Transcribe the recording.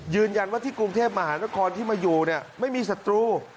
ยืนยันว่าที่กรุงเทพมหานครที่มาอยู่เนี่ยไม่มีศัตรู